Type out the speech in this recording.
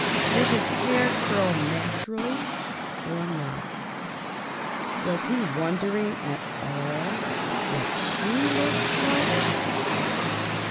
Did his hair curl naturally or not? Was he wondering at all what she looked like?